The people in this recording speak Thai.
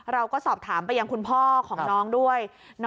เราก็สอบถามไปยังคุณพ่อของน้องด้วย